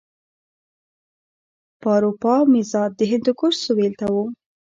پاروپامیزاد د هندوکش سویل ته و